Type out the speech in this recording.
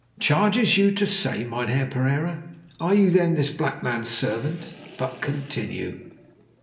"Charges you to say, Mynheer Pereira! Are you then this black man's servant? But continue."